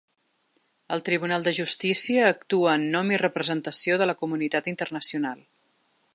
El tribunal de justícia actua en nom i representació de la comunitat internacional.